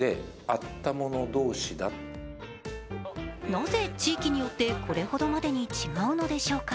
なぜ、地域によってこれほどまでに違うのでしょうか。